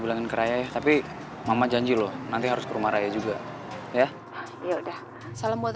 berbulan kerah ya tapi mama janji loh nanti harus rumah raya juga ya ya udah salam buat